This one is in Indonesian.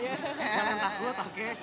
jangan takut oke